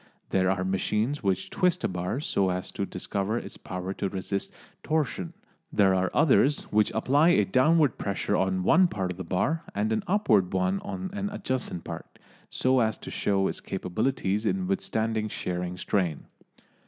There are machines which twist a bar so as to discover its power to resist torsion, there are others which apply a downward pressure on one part of the bar and an upward one on an adjacent part, so as to show its capabilities in withstanding shearing strain.